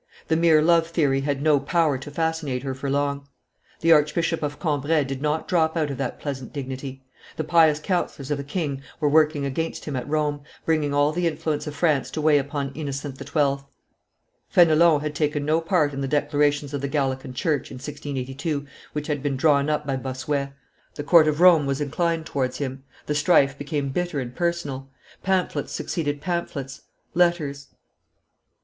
The mere love theory had no power to fascinate her for long. The Archbishop of Cambrai did not drop out of that pleasant dignity. The pious councillors of the king were working against him at Rome, bringing all the influence of France to weigh upon Innocent XII. Fenelon had taken no part in the declarations of the Gallican church, in 1682, which had been drawn up by Bossuet; the court of Rome was inclined towards him; the strife became bitter and personal; pamphlets succeeded pamphlets, letters.